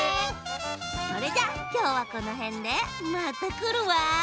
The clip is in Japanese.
それじゃきょうはこのへんでまたくるわ！